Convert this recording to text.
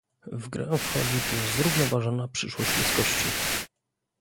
W grę wchodzi tu zrównoważona przyszłość ludzkości